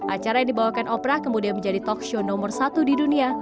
acara yang dibawakan opra kemudian menjadi talk show nomor satu di dunia